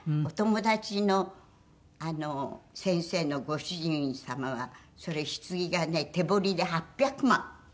お友達の先生のご主人様はそれひつぎがね手彫りで８００万。